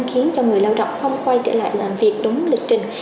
khiến cho người lao động không quay trở lại làm việc đúng lịch trình